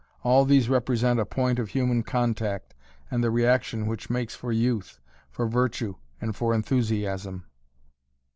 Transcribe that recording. All these represent a point of human contact and the reaction which makes for youth, for virtue and for enthusiasm.